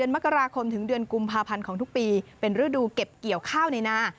เป็นฤดูเก็บเกี่ยวข้าวในหน้า